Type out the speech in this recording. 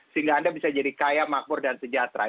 sehingga anda bisa jadi kaya makmur dan sejahtera